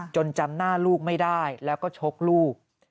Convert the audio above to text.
จำหน้าลูกไม่ได้แล้วก็ชกลูก